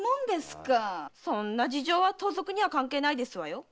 そんな事情は盗賊には関係ないですわよ。